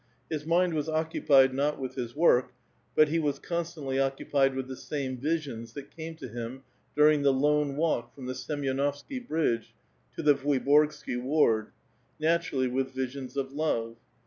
His mind was occupied not with his work, but he was constantly occupied with the same visions that came to him during the lone walk from the Semyonovsky bridge to the Vuiboi^sky ward : naturally with visions of love.